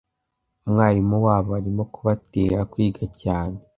Umwarimu wabo arimo kubatera kwiga cyane.